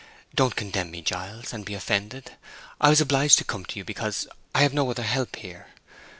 Don't condemn me, Giles, and be offended! I was obliged to come to you because—I have no other help here.